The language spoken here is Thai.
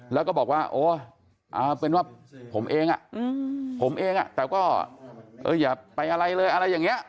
แล้วก็บอกว่าโอ๊ยเอาเป็นว่าผมเองผมเองแต่ก็อย่าไปอะไรเลยอะไรอย่างนี้